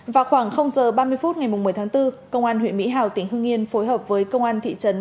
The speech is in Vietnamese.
vào khoảng h ba mươi phút ngày một mươi tháng bốn công an huyện mỹ hào tỉnh hương yên phối hợp với công an thị trấn